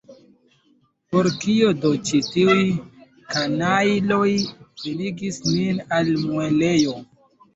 Por kio do ĉi tiuj kanajloj venigis nin al muelejo?